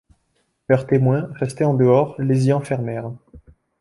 Leurs témoins, restés en dehors, les y enfermèrent.